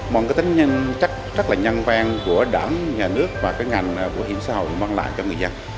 một tính nhân trách rất là nhân vang của đảng nhà nước và ngành của hiểm xã hội văn lại cho người dân